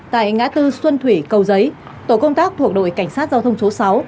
tại ngã tư xuân thủy cầu giấy tổ công tác thuộc đội cảnh sát giao thông số sáu